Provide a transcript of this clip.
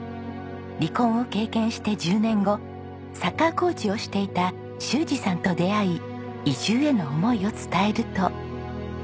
離婚を経験して１０年後サッカーコーチをしていた修二さんと出会い移住への思いを伝えると。